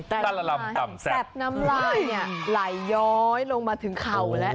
ตลลำต่ำแซ่บแซ่บน้ำลายไหลย้อยลงมาถึงเข่าแล้ว